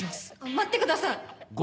待ってください！